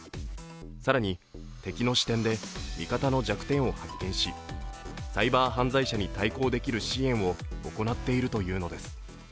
更に、敵の視点で味方の弱点を発見しサイバー犯罪者に対抗できる支援を行っているというのです。